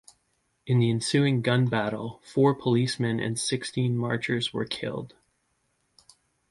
In the ensuing gun battle, four policemen and sixteen marchers were killed.